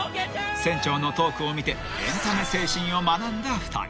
［船長のトークを見てエンタメ精神を学んだ２人］